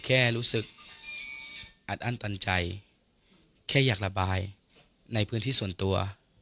แค่รู้สึกอัดอั้นตันใจแค่อยากระบายในพื้นที่ส่วนตัว